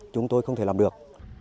chúng tôi không thể làm được